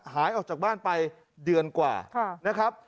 หายออกจากบ้านไปเดือนกว่านะครับ